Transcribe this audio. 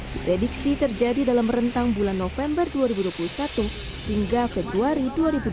diprediksi terjadi dalam rentang bulan november dua ribu dua puluh satu hingga februari dua ribu dua puluh